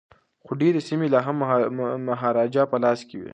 خو ډیري سیمي لا هم د مهاراجا په لاس کي وې.